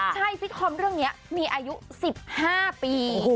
ใช่ซิตคอมเรื่องนี้มีอายุ๑๕ปี